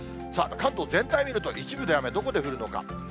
さあ、関東全体みると、一部で雨、どこで降るのか？